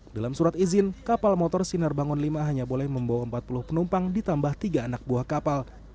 dalam surat izin kapal motor sinar bangun v hanya boleh membawa empat puluh penumpang ditambah tiga anak buah kapal